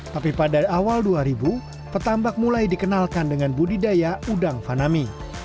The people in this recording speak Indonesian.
tapi pada awal dua ribu petambak mulai dikenalkan dengan budidaya udang fanami